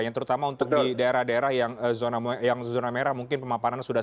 yang terutama untuk di daerah daerah yang zona merah mungkin pemapanannya sudah